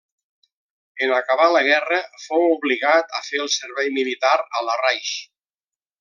En acabar la guerra fou obligat a fer el servei militar a Larraix.